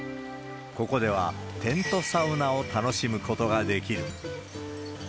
ここでは、テントサウナを楽しむことができる。